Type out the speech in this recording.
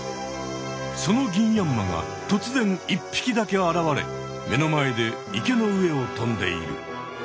そのギンヤンマがとつぜん１ぴきだけ現れ目の前で池の上を飛んでいる。